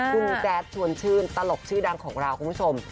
คุณแจ๊ดชวนชื่นตลกชื่อดังของเราคุณผู้ชม